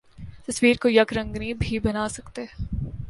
تصویر کو یک رنگی بھی بنا سکتے